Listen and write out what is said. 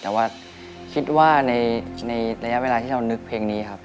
แต่ว่าคิดว่าในระยะเวลาที่เรานึกเพลงนี้ครับ